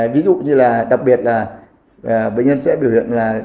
ví dụ như là đặc biệt là bệnh nhân sẽ biểu hiện là